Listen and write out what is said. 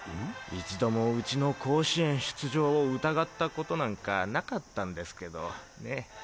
一度もウチの甲子園出場を疑ったことなんかなかったんですけどね。